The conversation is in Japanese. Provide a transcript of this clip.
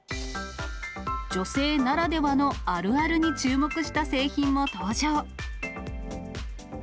女性ならではのあるあるに注目した製品も登場。